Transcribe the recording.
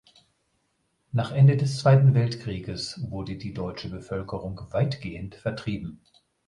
Nach Ende des Zweiten Weltkrieges wurde die deutsche Bevölkerung weitgehend vertrieben.